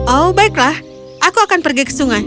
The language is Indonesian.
oh baiklah aku akan pergi ke sungai